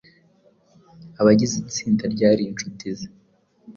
abagize itsinda ryari inshuti ze